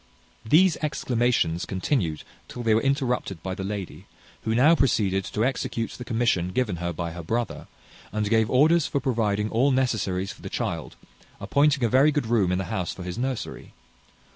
These exclamations continued till they were interrupted by the lady, who now proceeded to execute the commission given her by her brother, and gave orders for providing all necessaries for the child, appointing a very good room in the house for his nursery.